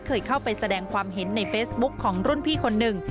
เคยเข้าไปแสดงความเห็นในเฟซบุ๊คของรุ่นพี่คนหนึ่ง